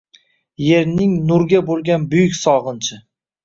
Yerning nurga bo‘lgan buyuk sog‘inchi